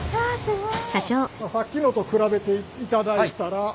すごい。